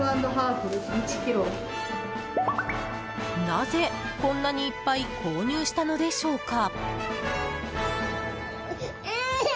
なぜ、こんなにいっぱい購入したのでしょうか？